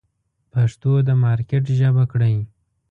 پښتو د مارکېټ ژبه کړئ.